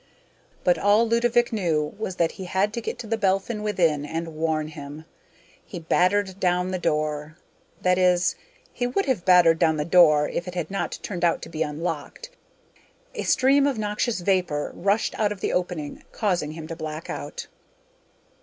But all Ludovick knew was that he had to get to The Belphin within and warn him. He battered down the door; that is, he would have battered down the door if it had not turned out to be unlocked. A stream of noxious vapor rushed out of the opening, causing him to black out.